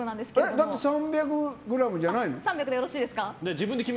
だって３００ｇじゃないの？